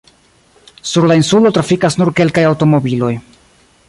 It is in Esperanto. Sur la insulo trafikas nur kelkaj aŭtomobiloj.